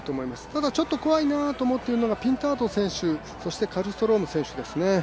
ただ、ちょっと怖いなと思っているのがピンタード選手、そしてカルストローム選手ですね。